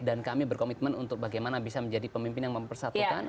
dan kami berkomitmen untuk bagaimana bisa menjadi pemimpin yang mempersatukan